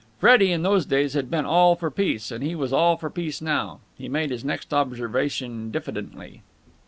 Freddie in those days had been all for peace, and he was all for peace now. He made his next observation diffidently.